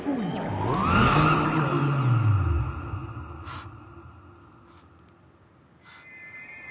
あっ！